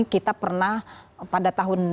kita pernah pada tahun delapan puluh an